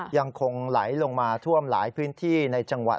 ยังคงไหลลงมาท่วมหลายพื้นที่ในจังหวัด